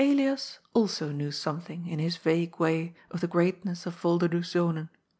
99 Elias also knew something, in his vagne way, of the greatness of Yolderdoes Zonen.